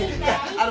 あの。